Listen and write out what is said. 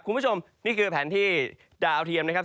คุณผู้ชมนี่คือแผนที่ดาวเทียมนะครับ